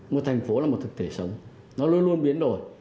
một thành phố là một thực thể sống nó luôn luôn biến đổi